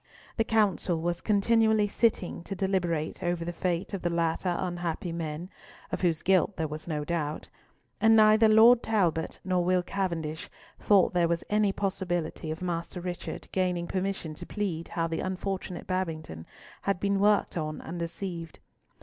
The Council was continually sitting to deliberate over the fate of the latter unhappy men, of whose guilt there was no doubt; and neither Lord Talbot nor Will Cavendish thought there was any possibility of Master Richard gaining permission to plead how the unfortunate Babington had been worked on and deceived.